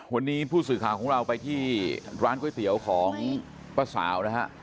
วันนี้ผู้สื่อข่าวของเราไปที่ร้านก๋วยเตี๋ยวของป้าสาวนะฮะ